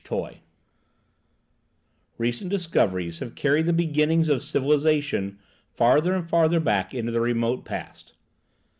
TOY Recent discoveries have carried the beginnings of civilization farther and farther back into the remote past.